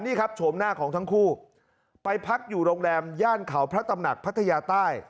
นี่ครับโฉมหน้าของทั้งคู่ไปพักอยู่โรงแรมย่านเขาพระตำหนักพัทยาใต้